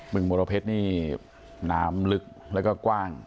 มรเพชรนี่น้ำลึกแล้วก็กว้าง